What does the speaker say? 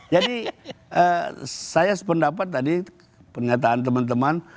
jadi saya sependapat tadi penyataan teman teman